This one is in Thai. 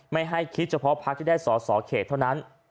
ไม่ให้คิดเฉพาะพักที่ได้สอสอเขตเท่านั้น